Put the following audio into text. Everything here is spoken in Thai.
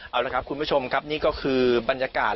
เอาละครับคุณผู้ชมครับนี่ก็คือบรรยากาศ